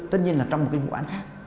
tất nhiên là trong một cái vụ án khác